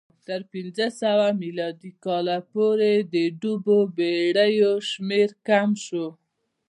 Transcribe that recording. تر پنځه سوه میلادي کاله پورې د ډوبو بېړیو شمېر کم شو